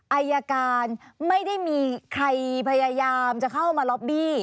อายการไม่ได้มีใครพยายามจะเข้ามาล็อบบี้